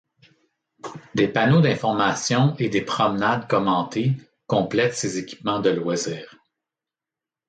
Des panneaux d’informations et des promenades commentées complètent ces équipements de loisirs.